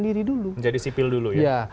diri dulu menjadi sipil dulu ya